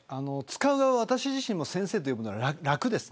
使う側は私自身も先生と呼ぶのが楽です。